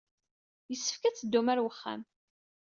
Yessefk ad teddum ɣer uxxam.